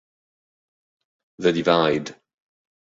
The Divide